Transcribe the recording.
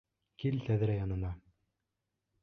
Кил тәҙрә янына!